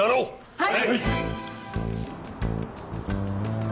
はい。